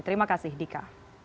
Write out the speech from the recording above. terima kasih dika